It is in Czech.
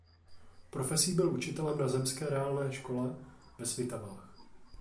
Profesí byl učitelem na zemské reálné škole ve Svitavách.